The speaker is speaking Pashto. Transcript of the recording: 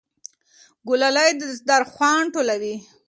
ګلالۍ دسترخوان ټولوي.